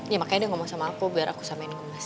ya makanya dia ngomong sama aku biar aku samain emas